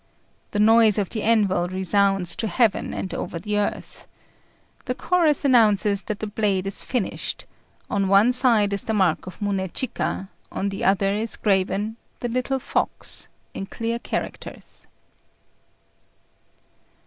The noise of the anvil resounds to heaven and over the earth. The chorus announces that the blade is finished; on one side is the mark of Munéchika, on the other is graven "The Little Fox" in clear characters.